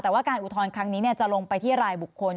แต่ว่าการอุทธรณ์ครั้งนี้จะลงไปที่รายบุคคล